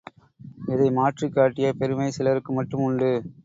இதை மாற்றிக் காட்டிய பெருமை சிலருக்கு மட்டும் உண்டு.